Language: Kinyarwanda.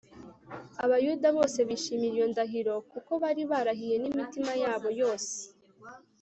Abayuda bose bishimira iyo ndahiro kuko bari barahiye nimitima yabo yose